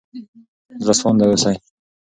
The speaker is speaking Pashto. زړه سوانده اوسئ.